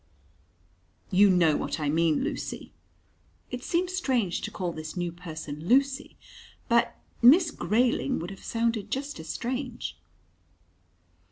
"You know what I mean, Lucy." It seemed strange to call this new person Lucy, but "Miss Grayling" would have sounded just as strange.